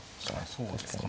そうですかね。